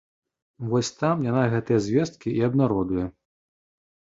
Вось там яна гэтыя звесткі і абнародуе.